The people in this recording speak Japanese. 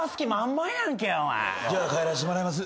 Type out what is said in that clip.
じゃあ帰らしてもらいます。